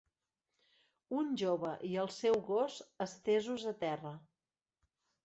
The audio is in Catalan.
Un jove i el seu gos estesos al terra.